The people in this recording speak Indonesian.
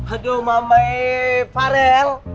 aduh mamae farel